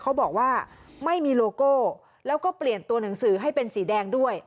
เขาบอกว่าไม่มีโลโก้แล้วก็เปลี่ยนตัวหนังสือให้เป็นสีแดงด้วย